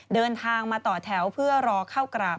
เดินทางมาต่อแถวเพื่อรอเข้ากราบ